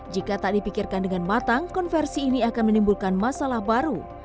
jika tak dipikirkan dengan matang konversi ini akan menimbulkan masalah baru